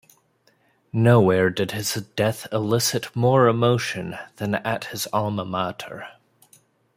Nowhere did his death elicit more emotion than at his alma mater.